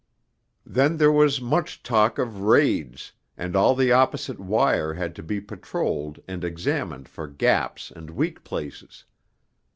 Then there was much talk of 'raids,' and all the opposite wire had to be patrolled and examined for gaps and weak places.